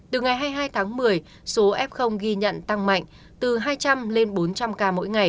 từ ngày hai mươi hai tháng một mươi số f ghi nhận tăng mạnh từ hai trăm linh lên bốn trăm linh ca mỗi ngày